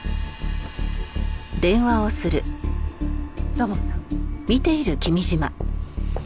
土門さん。